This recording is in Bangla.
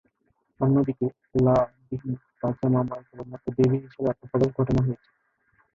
অন্যদিকে, ‘লা’-বিহীন পাচামামায় কেবলমাত্র দেবী হিসেবে আত্মপ্রকাশ ঘটানো হয়েছে।